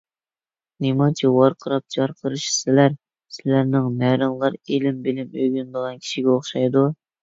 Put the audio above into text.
نېمانچە ۋارقىراپ - جارقىرىشىسىلەر! سىلەرنىڭ نەرىڭلار ئىلىم - بىلىم ئۆگىنىدىغان كىشىگە ئوخشايدۇ؟!